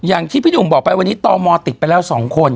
อย่างที่พี่หนุ่มบอกไปวันนี้ตมติดไปแล้ว๒คน